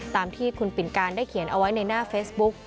ตามที่คุณปิ่นการได้เขียนเอาไว้ในหน้าเฟซบุ๊ก